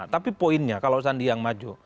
tapi poinnya kalau sandi yang maju